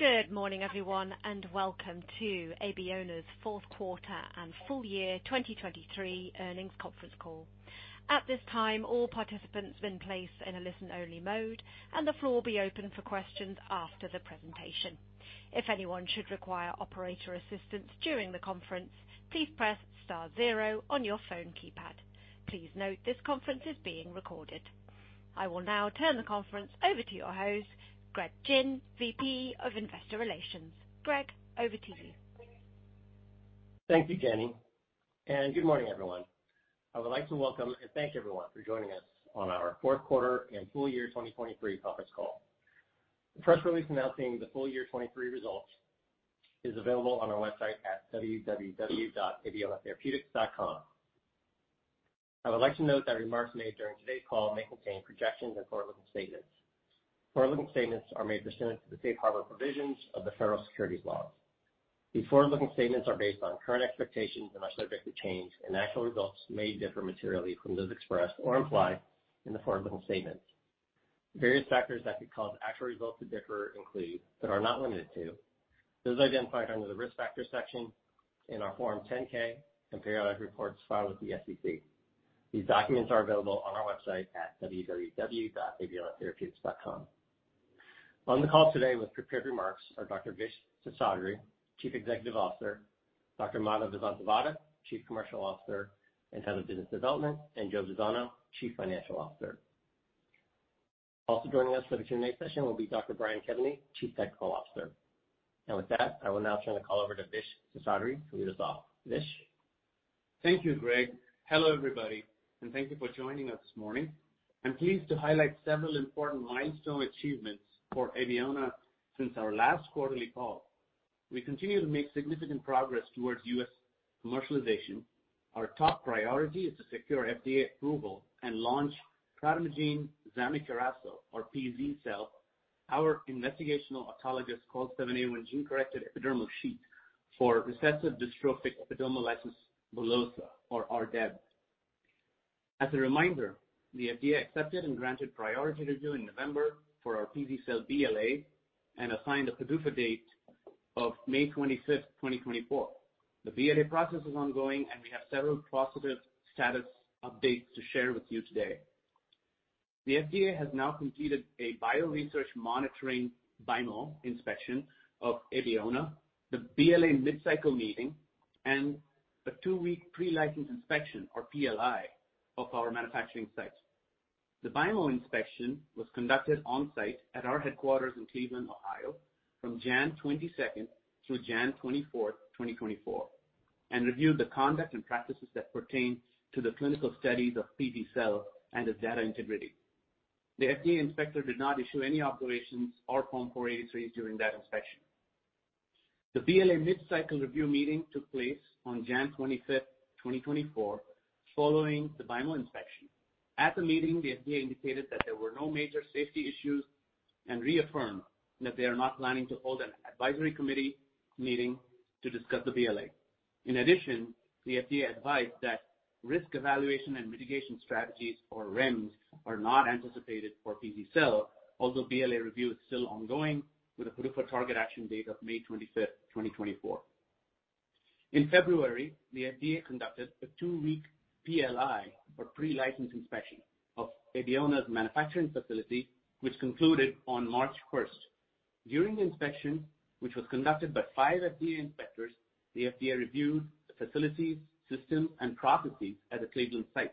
Good morning, everyone, and welcome to Abeona's fourth quarter and full year 2023 earnings conference call. At this time, all participants in place in a listen-only mode, and the floor will be open for questions after the presentation. If anyone should require operator assistance during the conference, please press star zero on your phone keypad. Please note this conference is being recorded. I will now turn the conference over to your host, Greg Gin, VP of Investor Relations. Greg, over to you. Thank you, Jenny, and good morning, everyone. I would like to welcome and thank everyone for joining us on our fourth quarter and full year 2023 conference call. The press release announcing the full year 2023 results is available on our website at www.abeonatherapeutics.com. I would like to note that remarks made during today's call may contain projections and forward-looking statements. Forward-looking statements are made pursuant to the safe harbor provisions of the federal securities laws. These forward-looking statements are based on current expectations and are subject to change, and actual results may differ materially from those expressed or implied in the forward-looking statements. Various factors that could cause actual results to differ include but are not limited to those identified under the risk factors section in our Form 10-K and periodic reports filed with the SEC. These documents are available on our website at www.abeonatherapeutics.com. On the call today with prepared remarks are Dr. Vish Seshadri, Chief Executive Officer, Dr. Madhav Vasanthavada, Chief Commercial Officer and Head of Business Development, and Joe Vazzano, Chief Financial Officer. Also joining us for the Q&A session will be Dr. Brian Kevany, Chief Technical Officer. And with that, I will now turn the call over to Vish Seshadri to lead us off. Vish? Thank you, Greg. Hello, everybody, and thank you for joining us this morning. I'm pleased to highlight several important milestone achievements for Abeona since our last quarterly call. We continue to make significant progress towards US commercialization. Our top priority is to secure FDA approval and launch prademagene zamikeracel, or pz-cel, our investigational autologous COL7A1 gene-corrected epidermal sheet for recessive dystrophic epidermolysis bullosa, or RDEB. As a reminder, the FDA accepted and granted priority review in November for our pz-cel BLA and assigned a PDUFA date of May 25th, 2024. The BLA process is ongoing, and we have several positive status updates to share with you today. The FDA has now completed a bioresearch monitoring BIMO inspection of Abeona, the BLA mid-cycle meeting, and a 2-week pre-license inspection, or PLI, of our manufacturing site. The BIMO inspection was conducted on-site at our headquarters in Cleveland, Ohio, from January 22nd through January 24th, 2024, and reviewed the conduct and practices that pertain to the clinical studies of pz-cel and its data integrity. The FDA inspector did not issue any observations or Form 483s during that inspection. The BLA mid-cycle review meeting took place on January 25th, 2024, following the BIMO inspection. At the meeting, the FDA indicated that there were no major safety issues and reaffirmed that they are not planning to hold an advisory committee meeting to discuss the BLA. In addition, the FDA advised that risk evaluation and mitigation strategies, or REMS, are not anticipated for pz-cel, although BLA review is still ongoing with a PDUFA target action date of May 25th, 2024. In February, the FDA conducted a two-week PLI, or Pre-License Inspection, of Abeona's manufacturing facility, which concluded on March 1st. During the inspection, which was conducted by five FDA inspectors, the FDA reviewed the facilities, systems, and processes at the Cleveland site.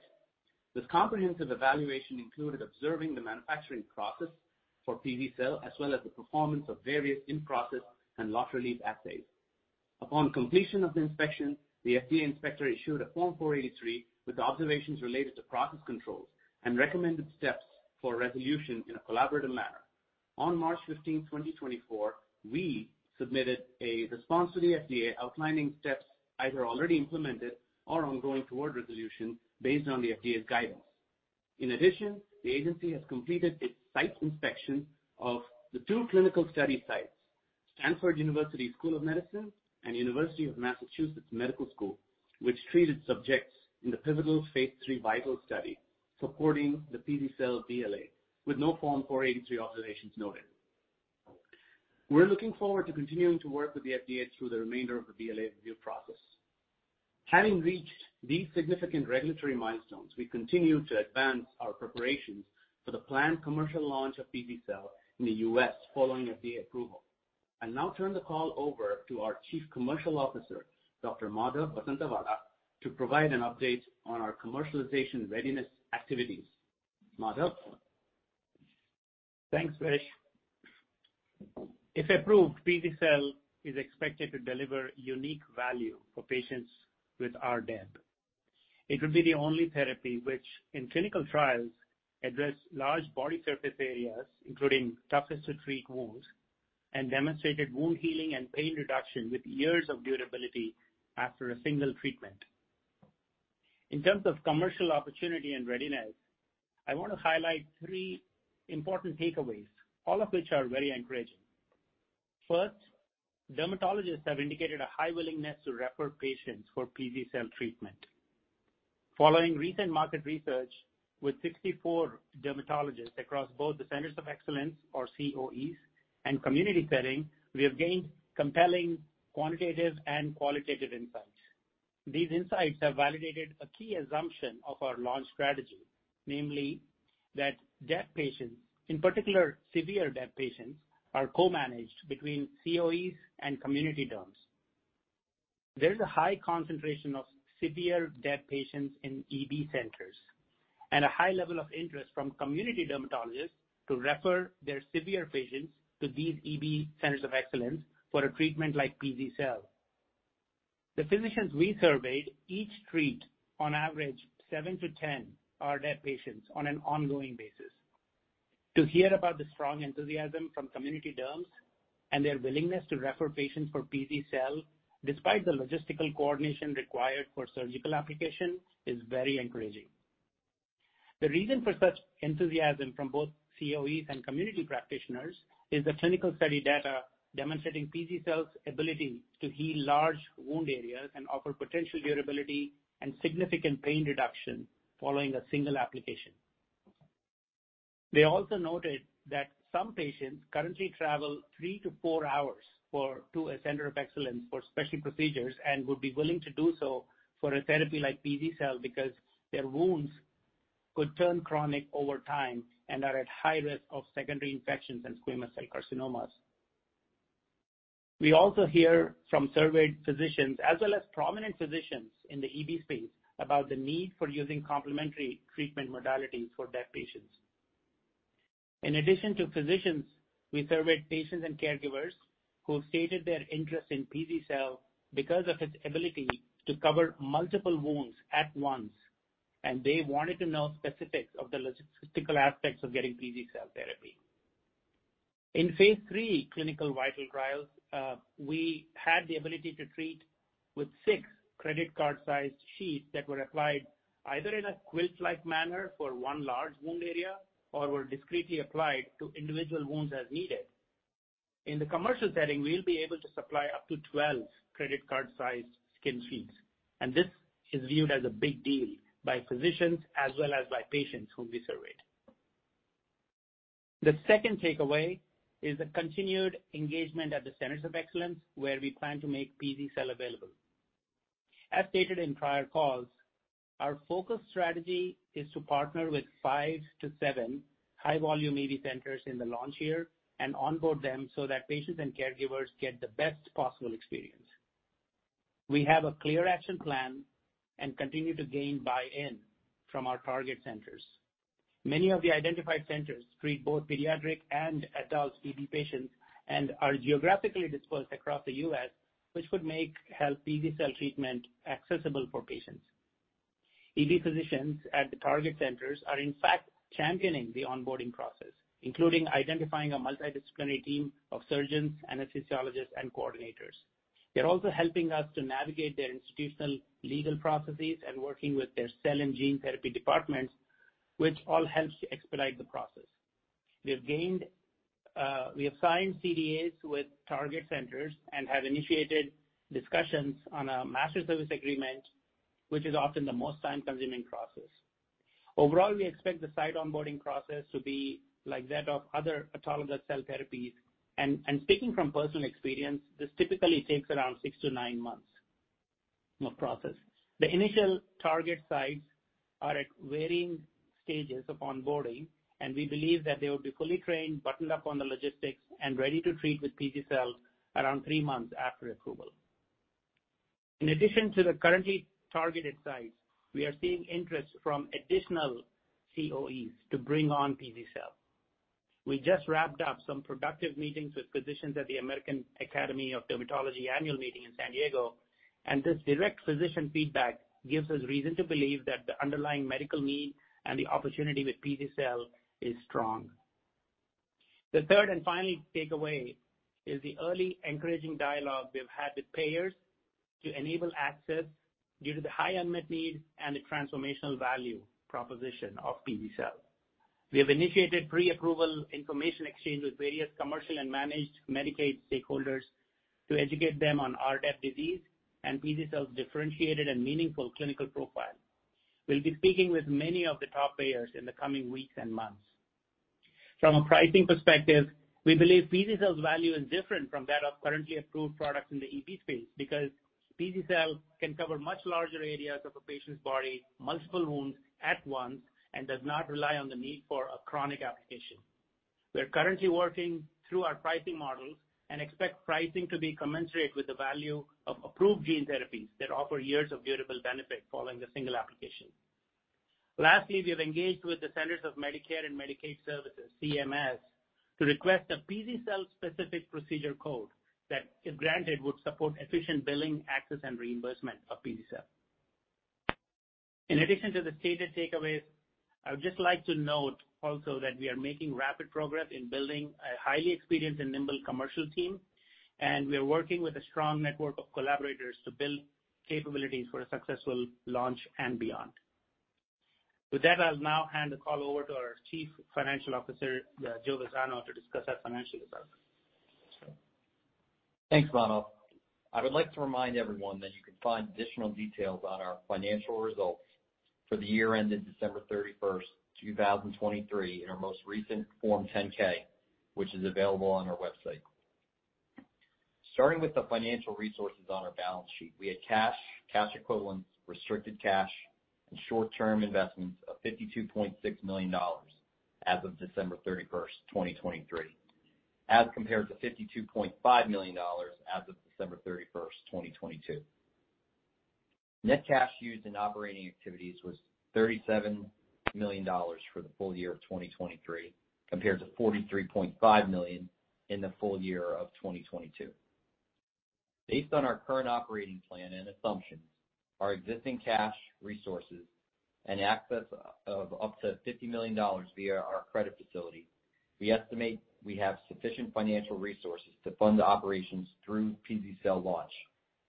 This comprehensive evaluation included observing the manufacturing process for pz-cel as well as the performance of various in-process and lot release assays. Upon completion of the inspection, the FDA inspector issued a Form 483 with observations related to process controls and recommended steps for resolution in a collaborative manner. On March 15th, 2024, we submitted a response to the FDA outlining steps either already implemented or ongoing toward resolution based on the FDA's guidance. In addition, the agency has completed its site inspections of the two clinical study sites, Stanford University School of Medicine and UMass Chan Medical School, which treated subjects in the pivotal Phase III VIITAL study supporting the pz-cel BLA, with no Form 483 observations noted. We're looking forward to continuing to work with the FDA through the remainder of the BLA review process. Having reached these significant regulatory milestones, we continue to advance our preparations for the planned commercial launch of pz-cel in the U.S. following FDA approval. I'll now turn the call over to our Chief Commercial Officer, Dr. Madhav Vasanthavada, to provide an update on our commercialization readiness activities. Madhav? Thanks, Vish. If approved, pz-cel is expected to deliver unique value for patients with RDEB. It would be the only therapy which, in clinical trials, addressed large body surface areas, including toughest-to-treat wounds, and demonstrated wound healing and pain reduction with years of durability after a single treatment. In terms of commercial opportunity and readiness, I want to highlight three important takeaways, all of which are very encouraging. First, dermatologists have indicated a high willingness to refer patients for pz-cel treatment. Following recent market research with 64 dermatologists across both the Centers of Excellence, or COEs, and community setting, we have gained compelling quantitative and qualitative insights. These insights have validated a key assumption of our launch strategy, namely that DEB patients, in particular severe DEB patients, are co-managed between COEs and community derms. There is a high concentration of severe EB patients in EB centers and a high level of interest from community dermatologists to refer their severe patients to these EB Centers of Excellence for a treatment like pz-cel. The physicians we surveyed each treat, on average, 7-10 RDEB patients on an ongoing basis. To hear about the strong enthusiasm from community derms and their willingness to refer patients for pz-cel, despite the logistical coordination required for surgical application, is very encouraging. The reason for such enthusiasm from both COEs and community practitioners is the clinical study data demonstrating pz-cel's ability to heal large wound areas and offer potential durability and significant pain reduction following a single application. They also noted that some patients currently travel three-four hours to a center of excellence for special procedures and would be willing to do so for a therapy like pz-cel because their wounds could turn chronic over time and are at high risk of secondary infections and squamous cell carcinomas. We also hear from surveyed physicians as well as prominent physicians in the EB space about the need for using complementary treatment modalities for RDEB patients. In addition to physicians, we surveyed patients and caregivers who have stated their interest in pz-cel because of its ability to cover multiple wounds at once, and they wanted to know specifics of the logistical aspects of getting pz-cel therapy. In phase III clinical VIITAL trials, we had the ability to treat with six credit card-sized sheets that were applied either in a quilt-like manner for 1 large wound area or were discretely applied to individual wounds as needed. In the commercial setting, we'll be able to supply up to 12 credit card-sized skin sheets, and this is viewed as a big deal by physicians as well as by patients whom we surveyed. The second takeaway is the continued engagement at the Centers of Excellence where we plan to make pz-cel available. As stated in prior calls, our focus strategy is to partner with five-seven high-volume EB centers in the launch year and onboard them so that patients and caregivers get the best possible experience. We have a clear action plan and continue to gain buy-in from our target centers. Many of the identified centers treat both pediatric and adult EB patients and are geographically dispersed across the U.S., which would make pz-cel treatment accessible for patients. EB physicians at the target centers are, in fact, championing the onboarding process, including identifying a multidisciplinary team of surgeons and anesthesiologists and coordinators. They're also helping us to navigate their institutional legal processes and working with their cell and gene therapy departments, which all helps expedite the process. We have signed CDAs with target centers and have initiated discussions on a master service agreement, which is often the most time-consuming process. Overall, we expect the site onboarding process to be like that of other autologous cell therapies. Speaking from personal experience, this typically takes around 6-9 months of process. The initial target sites are at varying stages of onboarding, and we believe that they would be fully trained, buttoned up on the logistics, and ready to treat with pz-cel around three months after approval. In addition to the currently targeted sites, we are seeing interest from additional COEs to bring on pz-cel. We just wrapped up some productive meetings with physicians at the American Academy of Dermatology annual meeting in San Diego, and this direct physician feedback gives us reason to believe that the underlying medical need and the opportunity with pz-cel is strong. The third and final takeaway is the early encouraging dialogue we've had with payers to enable access due to the high unmet needs and the transformational value proposition of pz-cel. We have initiated pre-approval information exchange with various commercial and managed Medicaid stakeholders to educate them on RDEB disease and pz-cel's differentiated and meaningful clinical profile. We'll be speaking with many of the top payers in the coming weeks and months. From a pricing perspective, we believe pz-cel's value is different from that of currently approved products in the EB space because pz-cel can cover much larger areas of a patient's body, multiple wounds at once, and does not rely on the need for a chronic application. We're currently working through our pricing models and expect pricing to be commensurate with the value of approved gene therapies that offer years of durable benefit following a single application. Lastly, we have engaged with the Centers for Medicare & Medicaid Services, CMS, to request a pz-cel-specific procedure code that, if granted, would support efficient billing, access, and reimbursement of pz-cel. In addition to the stated takeaways, I would just like to note also that we are making rapid progress in building a highly experienced and nimble commercial team, and we are working with a strong network of collaborators to build capabilities for a successful launch and beyond. With that, I'll now hand the call over to our Chief Financial Officer, Joe Vazzano, to discuss our financial results. Thanks, Madhav. I would like to remind everyone that you can find additional details on our financial results for the year ended December 31st, 2023, in our most recent Form 10-K, which is available on our website. Starting with the financial resources on our balance sheet, we had cash, cash equivalents, restricted cash, and short-term investments of $52.6 million as of December 31st, 2023, as compared to $52.5 million as of December 31st, 2022. Net cash used in operating activities was $37 million for the full year of 2023 compared to $43.5 million in the full year of 2022. Based on our current operating plan and assumptions, our existing cash resources and access of up to $50 million via our credit facility, we estimate we have sufficient financial resources to fund the operations through PZ cell launch,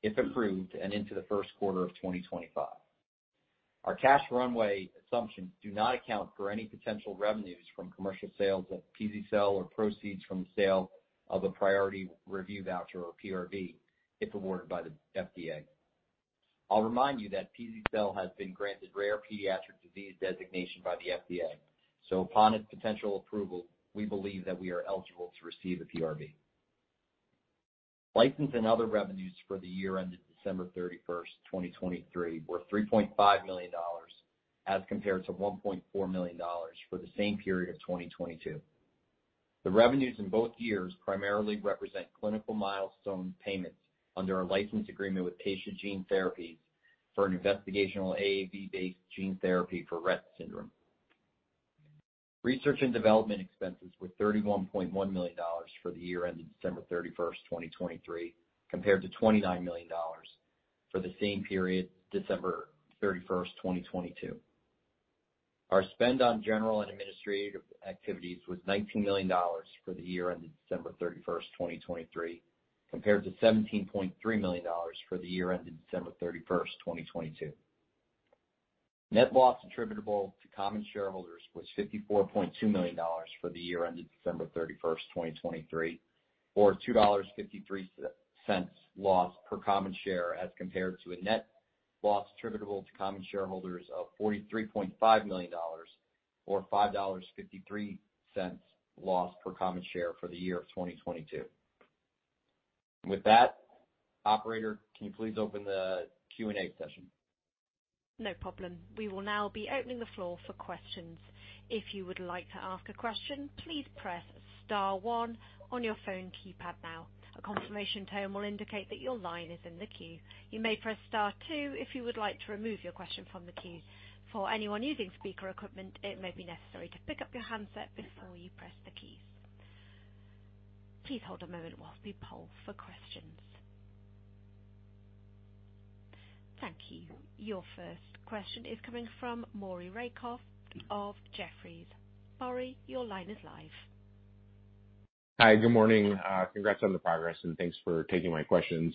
if approved, and into the first quarter of 2025. Our cash runway assumptions do not account for any potential revenues from commercial sales of pz-cel or proceeds from the sale of a priority review voucher or PRV, if awarded by the FDA. I'll remind you that pz-cel has been granted rare pediatric disease designation by the FDA, so upon its potential approval, we believe that we are eligible to receive a PRV. License and other revenues for the year ended December 31st, 2023, were $3.5 million as compared to $1.4 million for the same period of 2022. The revenues in both years primarily represent clinical milestone payments under our license agreement with Taysha Gene Therapies for an investigational AAV-based gene therapy for Rett syndrome. Research and development expenses were $31.1 million for the year ended December 31st, 2023, compared to $29 million for the same period, December 31st, 2022. Our spend on general and administrative activities was $19 million for the year ended December 31st, 2023, compared to $17.3 million for the year ended December 31st, 2022. Net loss attributable to common shareholders was $54.2 million for the year ended December 31st, 2023, or $2.53 loss per common share as compared to a net loss attributable to common shareholders of $43.5 million or $5.53 loss per common share for the year of 2022. With that, operator, can you please open the Q&A session? No problem. We will now be opening the floor for questions. If you would like to ask a question, please press star one on your phone keypad now. A confirmation tone will indicate that your line is in the queue. You may press star two if you would like to remove your question from the queue. For anyone using speaker equipment, it may be necessary to pick up your handset before you press the keys. Please hold a moment while we poll for questions. Thank you. Your first question is coming from Maury Raycroft of Jefferies. Maury, your line is live. Hi. Good morning. Congrats on the progress, and thanks for taking my questions.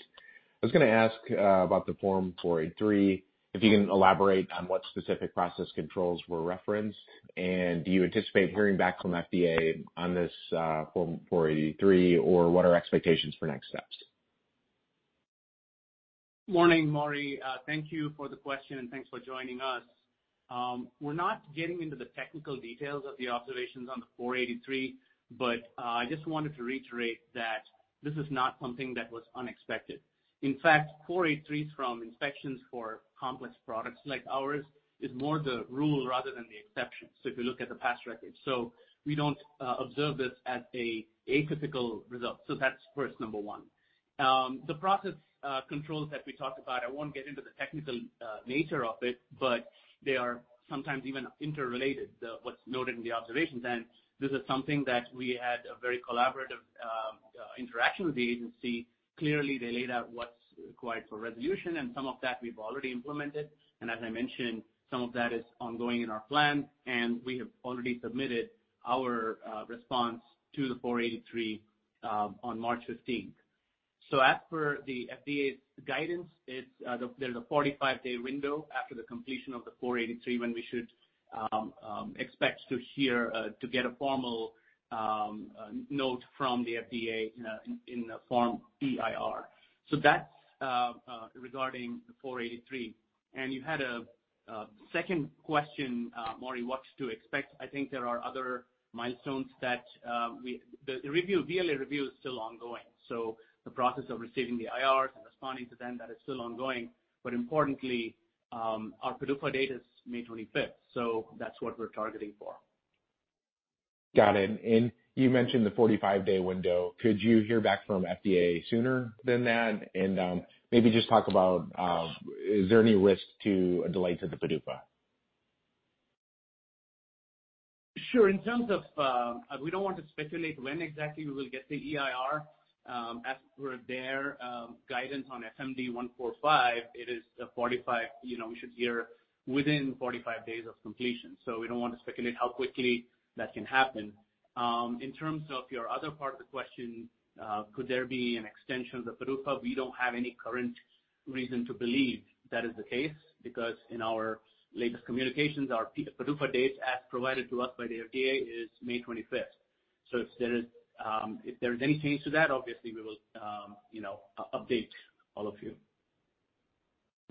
I was going to ask about the Form 483, if you can elaborate on what specific process controls were referenced, and do you anticipate hearing back from the FDA on this Form 483, or what are expectations for next steps? Morning, Maury. Thank you for the question, and thanks for joining us. We're not getting into the technical details of the observations on the 483, but I just wanted to reiterate that this is not something that was unexpected. In fact, 483s from inspections for complex products like ours is more the rule rather than the exception, so if you look at the past records. So we don't observe this as an atypical result, so that's first number one. The process controls that we talked about, I won't get into the technical nature of it, but they are sometimes even interrelated, what's noted in the observations. And this is something that we had a very collaborative interaction with the agency. Clearly, they laid out what's required for resolution, and some of that we've already implemented. As I mentioned, some of that is ongoing in our plan, and we have already submitted our response to the 483 on March 15th. As per the FDA's guidance, there's a 45-day window after the completion of the 483 when we should expect to get a formal note from the FDA in the form of an EIR. That's regarding the 483. You had a second question, Maury, what to expect. I think there are other milestones that the BLA review is still ongoing, so the process of receiving the IRs and responding to them, that is still ongoing. But importantly, our PDUFA date is May 25th, so that's what we're targeting for. Got it. And you mentioned the 45-day window. Could you hear back from the FDA sooner than that and maybe just talk about is there any risk to a delay to the PDUFA? Sure. We don't want to speculate when exactly we will get the EIR. As per their guidance on Form 483, it's a 483 we should hear within 45 days of completion, so we don't want to speculate how quickly that can happen. In terms of your other part of the question, could there be an extension of the PDUFA? We don't have any current reason to believe that is the case because in our latest communications, our PDUFA date, as provided to us by the FDA, is May 25th. So if there is any change to that, obviously, we will update all of you.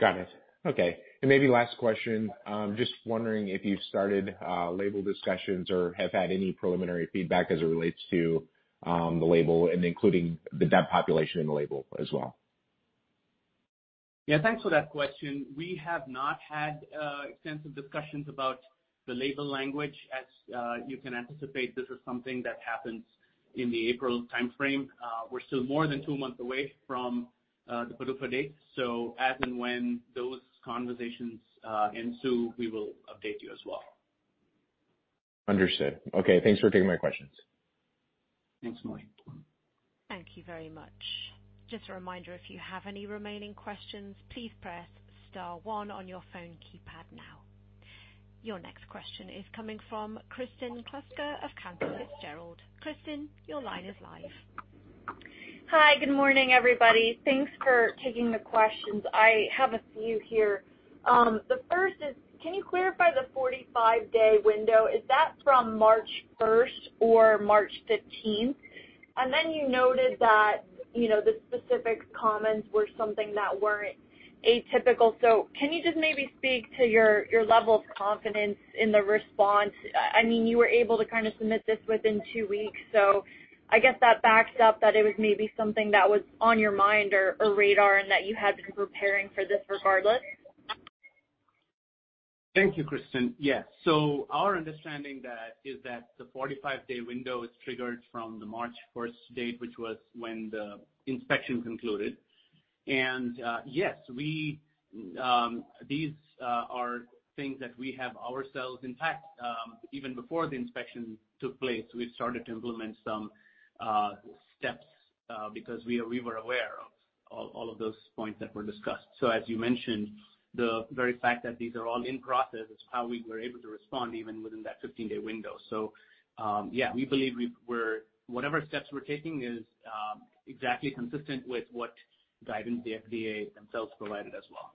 Got it. Okay. Maybe last question. Just wondering if you've started label discussions or have had any preliminary feedback as it relates to the label and including the DEB population in the label as well? Yeah. Thanks for that question. We have not had extensive discussions about the label language. As you can anticipate, this is something that happens in the April timeframe. We're still more than two months away from the PDUFA date, so as and when those conversations ensue, we will update you as well. Understood. Okay. Thanks for taking my questions. Thanks, Maury. Thank you very much. Just a reminder, if you have any remaining questions, please press star one on your phone keypad now. Your next question is coming from Kristen Kluska of Cantor Fitzgerald. Kristen, your line is live. Hi. Good morning, everybody. Thanks for taking the questions. I have a few here. The first is, can you clarify the 45-day window? Is that from March 1st or March 15th? And then you noted that the specific commons were something that weren't atypical. So can you just maybe speak to your level of confidence in the response? I mean, you were able to kind of submit this within 2 weeks, so I guess that backs up that it was maybe something that was on your mind or radar and that you had been preparing for this regardless. Thank you, Kristen. Yes. So our understanding is that the 45-day window is triggered from the March 1st date, which was when the inspection concluded. And yes, these are things that we have ourselves. In fact, even before the inspection took place, we started to implement some steps because we were aware of all of those points that were discussed. So as you mentioned, the very fact that these are all in process is how we were able to respond even within that 15-day window. So yeah, we believe whatever steps we're taking is exactly consistent with what guidance the FDA themselves provided as well.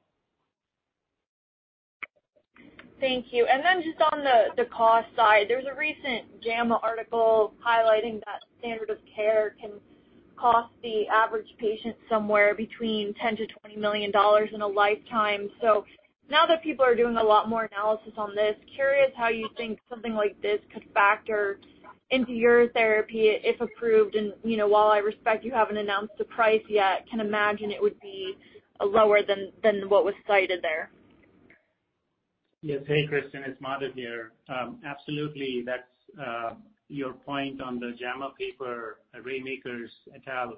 Thank you. Then just on the cost side, there's a recent JAMA article highlighting that standard of care can cost the average patient somewhere between $10 million-$20 million in a lifetime. So now that people are doing a lot more analysis on this, curious how you think something like this could factor into your therapy if approved. And while I respect you haven't announced the price yet, can imagine it would be lower than what was cited there. Yes. Hey, Kristen. It's Madhav here. Absolutely. That's your point on the JAMA paper. Raymakers et al.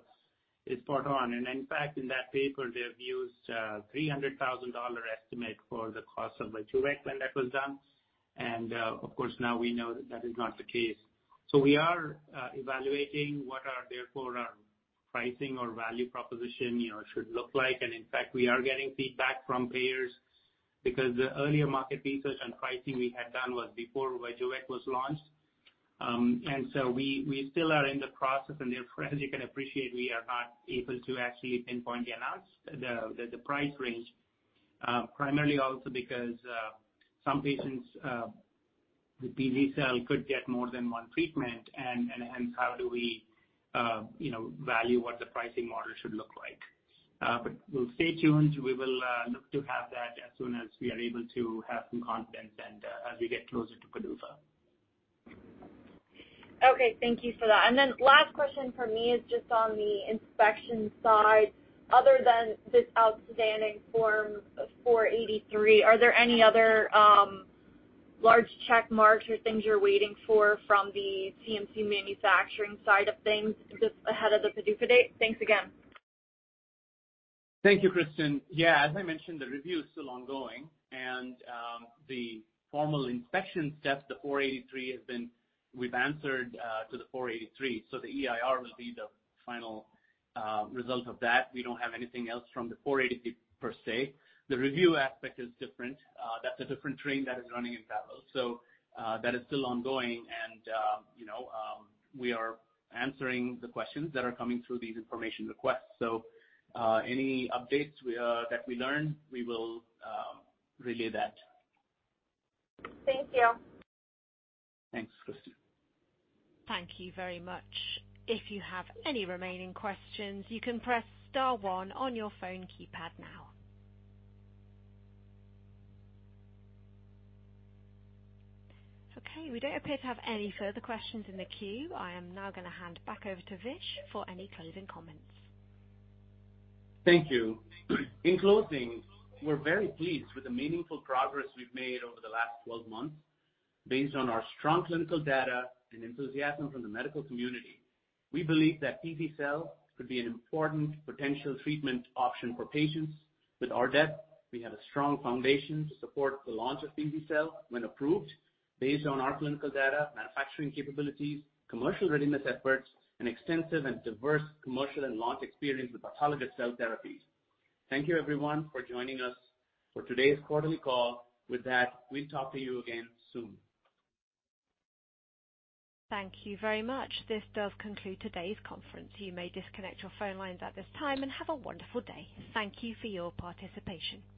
is spot on. And in fact, in that paper, they have used a $300,000 estimate for the cost of a T-VEC when that was done. And of course, now we know that is not the case. So we are evaluating what, therefore, our pricing or value proposition should look like. And in fact, we are getting feedback from payers because the earlier market research on pricing we had done was before T-VEC was launched. And so we still are in the process. And therefore, as you can appreciate, we are not able to actually pinpoint the price range, primarily also because some patients, the pz-cel, could get more than one treatment. And hence, how do we value what the pricing model should look like? But we'll stay tuned. We will look to have that as soon as we are able to have some confidence as we get closer to PDUFA. Okay. Thank you for that. And then last question for me is just on the inspection side. Other than this outstanding Form 483, are there any other large checkmarks or things you're waiting for from the CMC manufacturing side of things just ahead of the PDUFA date? Thanks again. Thank you, Kristen. Yeah. As I mentioned, the review is still ongoing, and the formal inspection step, the 483, has been. We've answered to the 483, so the EIR will be the final result of that. We don't have anything else from the 483 per se. The review aspect is different. That's a different train that is running in parallel. So that is still ongoing, and we are answering the questions that are coming through these information requests. So any updates that we learn, we will relay that. Thank you. Thanks, Kristen. Thank you very much. If you have any remaining questions, you can press star one on your phone keypad now. Okay. We don't appear to have any further questions in the queue. I am now going to hand back over to Vish for any closing comments. Thank you. In closing, we're very pleased with the meaningful progress we've made over the last 12 months. Based on our strong clinical data and enthusiasm from the medical community, we believe that pz-cel could be an important potential treatment option for patients. With our team, we have a strong foundation to support the launch of pz-cel when approved based on our clinical data, manufacturing capabilities, commercial readiness efforts, and extensive and diverse commercial and launch experience with autologous cell therapies. Thank you, everyone, for joining us for today's quarterly call. With that, we'll talk to you again soon. Thank you very much. This does conclude today's conference. You may disconnect your phone lines at this time and have a wonderful day. Thank you for your participation.